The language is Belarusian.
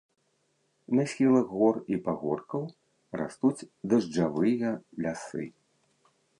На схілах гор і пагоркаў растуць дажджавыя лясы.